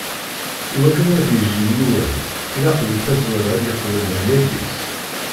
Iwakken ad yejji yiwen, ilaq di tazwara ad yeqbel lehlak-is.